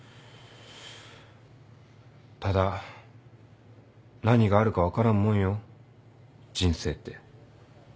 ただ何があるか分からんもんよ人生って。